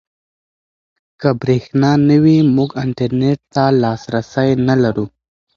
که برېښنا نه وي موږ انټرنيټ ته لاسرسی نلرو.